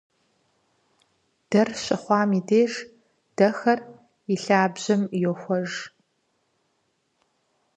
Дэр щыхъуам и деж дэхэр и лъабжьэм йохуэх.